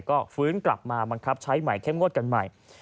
ก็ฟื้นกลับมาบังคับใช้ใหม่เข้มงวดกันใหม่